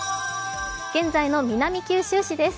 現在の南九州市です。